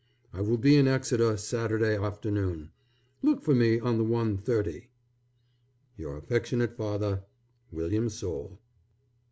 I will be in Exeter Saturday afternoon. Look for me on the 1:30. Your affectionate father, WILLIAM SOULE.